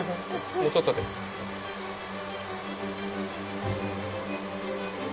もうちょっとです。